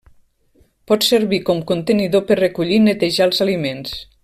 Pot servir com contenidor per recollir i netejar els aliments.